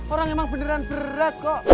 orang emang beneran berat kok